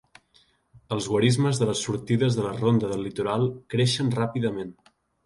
Els guarismes de les sortides de la Ronda del Litoral creixen ràpidament.